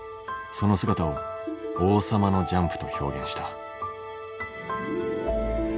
その姿を「王様のジャンプ」と表現した。